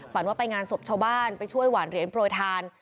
ว่าไปงานศพชาวบ้านไปช่วยหวานเหรียญโปรยทาน